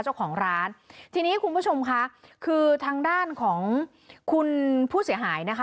เจ้าของร้านทีนี้คุณผู้ชมค่ะคือทางด้านของคุณผู้เสียหายนะคะ